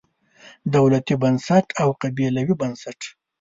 دولتي بنسټ او قبیلوي بنسټ.